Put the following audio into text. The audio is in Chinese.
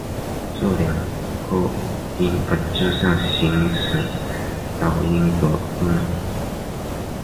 这两个音本质上行使导音的功能。